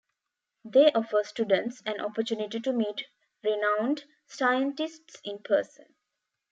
They offer students an opportunity to meet renowned scientists in person.